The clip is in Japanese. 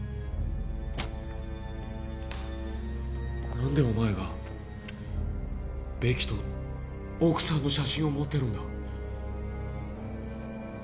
何でお前がベキと奥さんの写真を持ってるんだ？